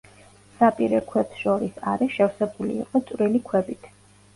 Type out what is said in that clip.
საპირე ქვებს შორის არე შევსებული იყო წვრილი ქვებით.